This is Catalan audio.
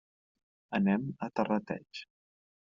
Anem a Terrateig.